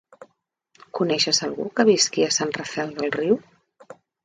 Coneixes algú que visqui a Sant Rafel del Riu?